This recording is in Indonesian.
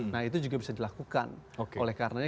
nah itu juga bisa dilakukan oleh karenanya